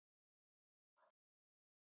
د موضوع له پلوه متن ډېر ډولونه لري.